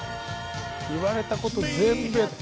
言われたこと全部やって。